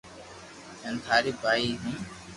ھين ٽاري بائي ھون